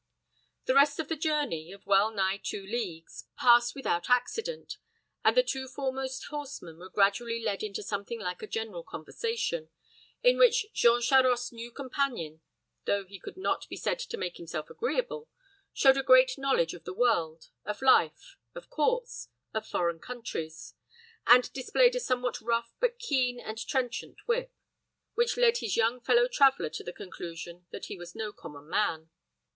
The rest of the journey, of well nigh two leagues, passed without accident, and the two foremost horsemen were gradually led into something like a general conversation, in which Jean Charost's new companion, though he could not be said to make himself agreeable, showed a great knowledge of the world, of life, of courts, of foreign countries; and displayed a somewhat rough but keen and trenchant wit, which led his young fellow traveler to the conclusion that he was no common man.